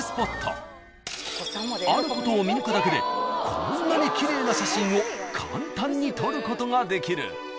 ［あることを見抜くだけでこんなに奇麗な写真を簡単に撮ることができる］